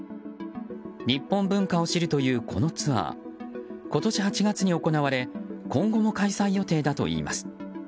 日本文化を知るというこのツアー今年８月に行われ今後も開催予定だといいます。